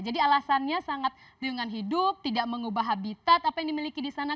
jadi alasannya sangat tuyungan hidup tidak mengubah habitat apa yang dimiliki di sana